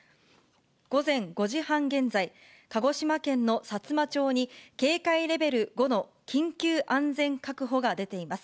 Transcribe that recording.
午前５時半現在、鹿児島県のさつま町に、警戒レベル５の緊急安全確保が出ています。